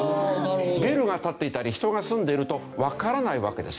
ビルが立っていたり人が住んでいるとわからないわけですよ。